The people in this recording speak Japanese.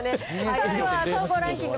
それでは総合ランキング